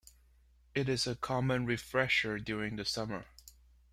It is a common refresher during the summer.